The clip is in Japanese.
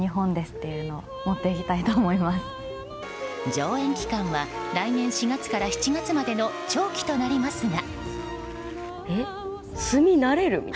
上演期間は来年４月から７月までの長期となりますが。